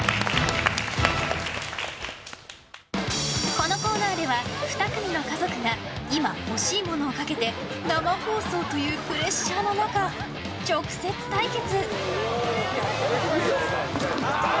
このコーナーでは２組の家族が今、欲しいものをかけて生放送というプレッシャーの中直接対決！